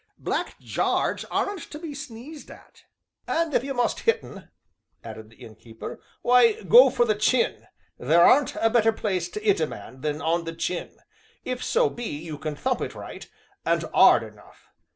Black Jarge aren't to be sneezed at." "And, if you must 'it un," added the Innkeeper, "why, go for the chin theer aren't a better place to 'it a man than on the chin, if so be you can thump it right and 'ard enough.